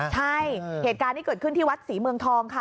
ใช่เหตุการณ์ที่เกิดขึ้นที่วัดศรีเมืองทองค่ะ